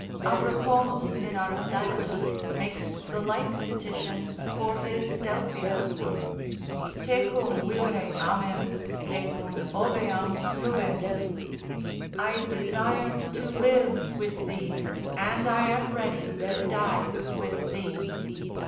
Abrocomus in Aristaenetus makes the like petition for his Delphia, —Tecum vivere amem, tecum obeam lubens. I desire to live with thee, and I am ready to die with thee.